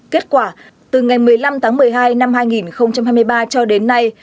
kết quả từ ngày một mươi năm tháng một mươi hai năm hai nghìn hai mươi ba cho đến nay